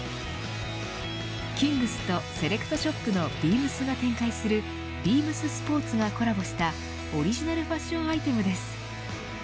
キングスとセレクトショップのビームスが展開するビームススポーツがコラボしたオリジナルファッションアイテムです。